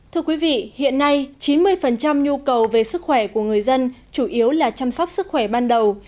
thưa quý vị hiện nay chín mươi nhu cầu về sức khỏe của người dân chủ yếu là chăm sóc sức khỏe ban đầu